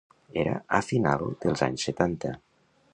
Era a final dels anys setanta.